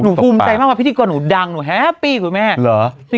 ภูมิใจมากว่าพิธีกรหนูดังหนูแฮปปี้คุณแม่เหรอ